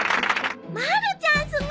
まるちゃんすごいね。